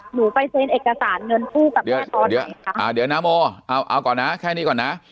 หนูไปเซนเอกสารเงินผู้กับแม่ตอนไหนอ่าเดี๋ยวนะโมเอาก่อนนะแค่นี้ก่อนนะ